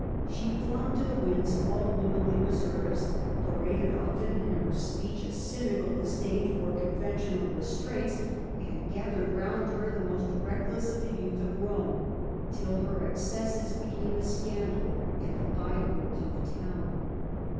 She flung to the winds all womanly reserves, paraded often in her speech a cynical disdain for conventional re straints, and gathered round her the most reckless of the youth of Rome, till her excesses became a scandal and a byword through the town.